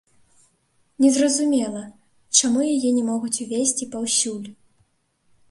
Незразумела, чаму яе не могуць увесці паўсюль.